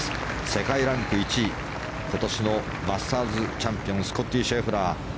世界ランク１位今年のマスターズチャンピオンスコッティ・シェフラー。